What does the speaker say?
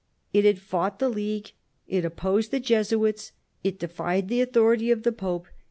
It had fought the League; it opposed the Jesuits ; it defied the authority of the Pope.